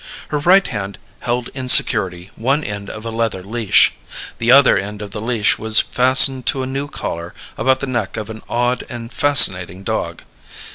Her right hand held in security one end of a leather leash; the other end of the leash was fastened to a new collar about the neck of an odd and fascinating dog.